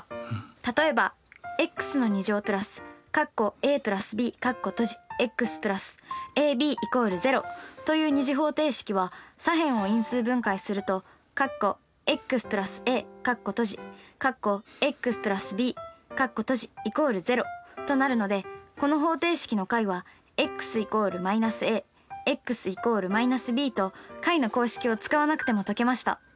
例えばという２次方程式は左辺を因数分解するととなるのでこの方程式の解はと解の公式を使わなくても解けました。